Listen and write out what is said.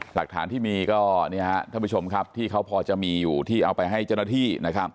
หลักฐานที่มีก็ท่านผู้ชมครับที่เขาพอจะมีอยู่ที่เอาไปให้เจ้าหน้าที่